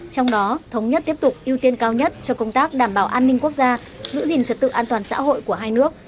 trong đó thống nhất tiếp tục ưu tiên cao nhất cho công tác đảm bảo an ninh quốc gia giữ gìn trật tự an toàn xã hội của hai nước